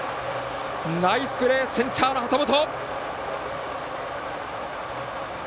ナイスプレー、センターの畑本。